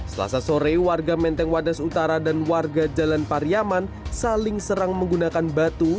selasa sore warga menteng wadas utara dan warga jalan pariaman saling serang menggunakan batu